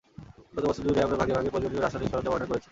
গত বছর জুড়ে, আমরা ভাগে ভাগে প্রয়োজনীয় রাসায়নিক সরঞ্জাম অর্ডার করেছি।